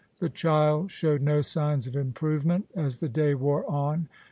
The child showed no signs of improvement as the day wore on.